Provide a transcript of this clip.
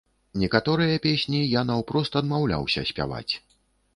Некаторыя песні я наўпрост адмаўляўся спяваць.